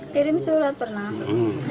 kirim surat pernah